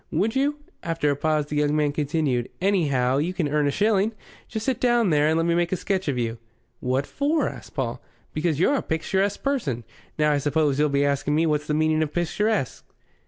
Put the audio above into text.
"Would you?" After a pause the young man continued: "Anyhow, you can earn a shilling. Just sit down there and let me make a sketch of you." "What for?" asked Paul. "Because you're a picturesque person. Now, I suppose you'll be asking me what's the meaning of picturesque?"